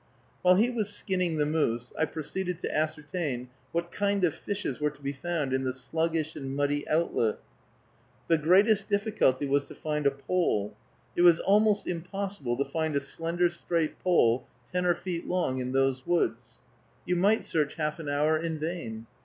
While he was skinning the moose, I proceeded to ascertain what kind of fishes were to be found in the sluggish and muddy outlet. The greatest difficulty was to find a pole. It was almost impossible to find a slender, straight pole ten or twelve feet long in those woods. You might search half an hour in vain.